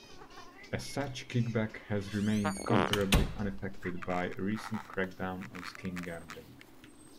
As such, Kickback has remained comparably unaffected by a recent crackdown on skin gambling.